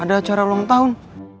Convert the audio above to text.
ada acara ulang tahun